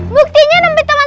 buktinya nempit teman